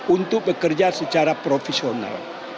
untuk bekerja secara profesional